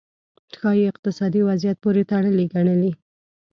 ښايي اقتصادي وضعیت پورې تړلې ګڼلې.